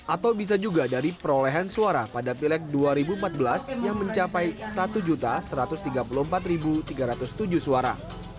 atau bisa juga dari perolehan suara pada pileg dua ribu empat belas yang mencapai satu satu ratus tiga puluh empat tiga ratus tujuh suara